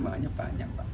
makanya banyak pak